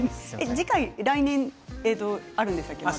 次回、来年あるんでしたっけ？